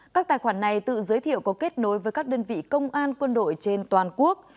các tài khoản này tự giới thiệu có kết nối với các đơn vị công an quân đội trên toàn quốc